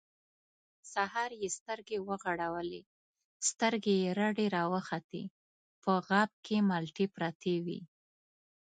سهار يې سترګې ورغړولې، سترګې يې رډې راوختې، په غاب کې مالټې پرتې وې.